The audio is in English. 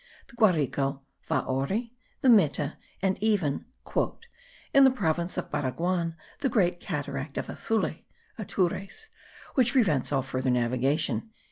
the Guarico (Voari?) the Meta,* and even, "in the province of Baraguan, the great cataract of Athule (Atures), which prevents all further navigation."